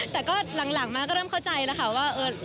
แต่ก็หลังมาก็เริ่มเข้าใจแล้วค่ะว่า